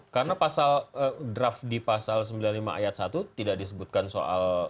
karena pasal draft di pasal sembilan puluh lima ayat satu tidak disebutkan soal